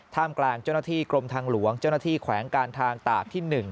กลางเจ้าหน้าที่กรมทางหลวงเจ้าหน้าที่แขวงการทางตากที่๑